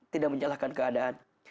tidak menyalahkan keadaan